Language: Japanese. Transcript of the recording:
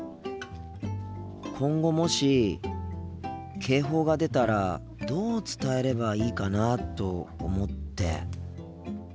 今後もし警報が出たらどう伝えればいいかなと思って。